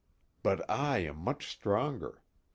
_But I am much stronger.